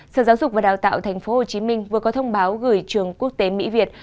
sở giáo dục và đào tạo tp hcm vừa có thông báo gửi trường quốc tế mỹ việt